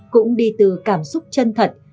cũng đi từ cảm xúc chân thật